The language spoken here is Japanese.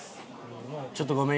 ちょっとごめん。